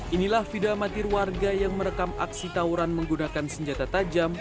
inilah video amatir warga yang merekam aksi tawuran menggunakan senjata tajam